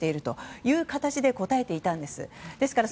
そういう形で答えていたんです。